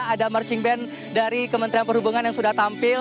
ada marching band dari kementerian perhubungan yang sudah tampil